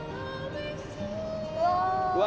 うわ。